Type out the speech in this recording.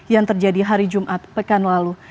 yang terjadi hari jumat pekan lalu